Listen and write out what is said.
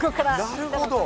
なるほど。